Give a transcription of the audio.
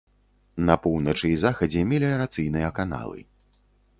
На поўначы і захадзе меліярацыйныя каналы.